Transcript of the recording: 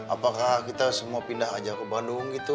apakah kita semua pindah aja ke bandung gitu